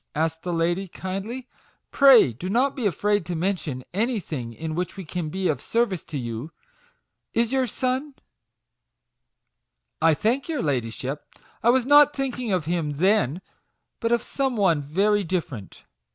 said the lady, kindly; "pray do not be afraid to mention anything in which we can be of service to you. Is your son "" I thank your ladyship, I was not thinking of him then, but of some one very different.